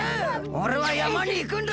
おれはやまにいくんだ！